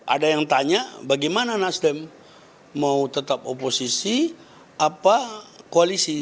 ada yang tanya bagaimana nasdem mau tetap oposisi apa koalisi